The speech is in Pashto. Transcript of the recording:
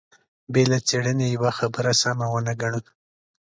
بې له څېړنې يوه خبره سمه ونه ګڼو.